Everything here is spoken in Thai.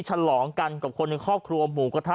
ฉลองกันกับคนในครอบครัวหมูกระทะ